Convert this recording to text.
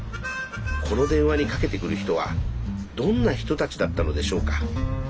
この電話にかけてくる人はどんな人たちだったのでしょうか。